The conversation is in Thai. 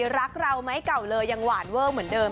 รักเราไหมเก่าเลยยังหวานเวอร์เหมือนเดิม